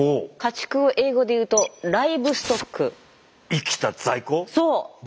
「生きた在庫」。